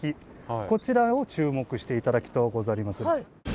こちらを注目して頂きとうござりまする。